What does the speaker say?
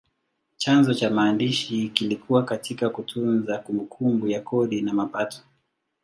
Chanzo cha maandishi kilikuwa katika kutunza kumbukumbu ya kodi na mapato.